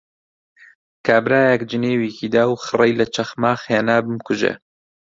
کابرایەک جنێوێکی دا و خڕەی لە چەخماخ هێنا بمکوژێ